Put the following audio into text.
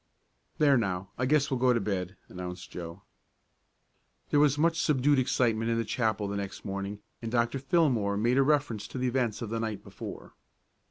"There, now, I guess we'll go to bed," announced Joe. There was much subdued excitement in chapel the next morning, and Dr. Fillmore made a reference to the events of the night before.